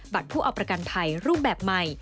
ผู้เอาประกันภัยรูปแบบใหม่